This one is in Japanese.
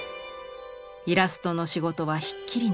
イラストの仕事はひっきりなし。